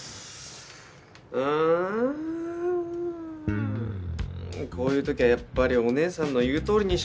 うんこういう時はやっぱりおねえさんの言うとおりにし